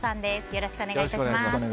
よろしくお願いします。